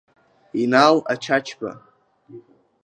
Инал Ачачба.